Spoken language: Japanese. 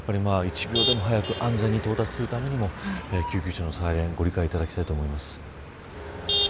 １秒でも早く安全に到達するためにも救急車のサイレンにご理解いただきたいと思います。